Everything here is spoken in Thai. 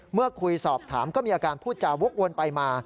เมื่อคุยสอบถามก็มีอาการพูดจาวกวนไปมา